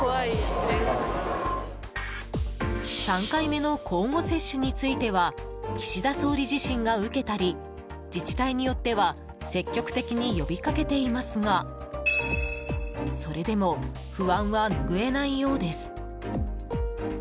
３回目の交互接種については岸田総理自身が受けたり自治体によっては積極的に呼びかけていますがそれでも不安は拭えないようです。